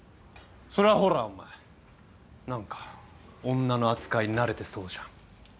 それはほらお前何か女の扱いに慣れてそうじゃん。